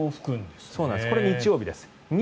これ、日曜日です。